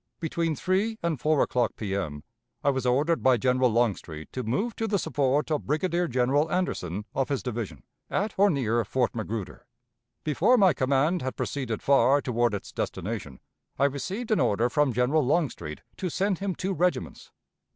... Between three and four o'clock, P.M., I was ordered by General Longstreet to move to the support of Brigadier General Anderson of his division, at or near Fort Magruder. ... Before my command had proceeded far toward its destination, I received an order from General Longstreet to send him two regiments.